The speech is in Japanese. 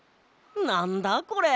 なんだこれ？